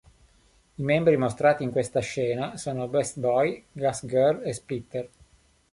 I membri mostrati in questa scena sono Beast Boy, Gas Girl e Splitter.